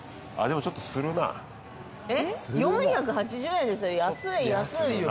４８０円ですよ安い安い安いよ